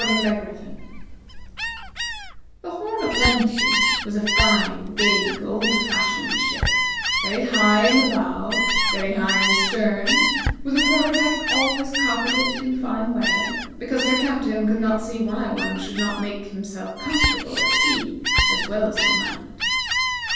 The "Horn o' Plenty" was a fine, big, old fashioned ship, very high in the bow, very high in the stern, with a quarter deck always carpeted in fine weather, because her captain could not see why one should not make himself comfortable at sea as well as on land.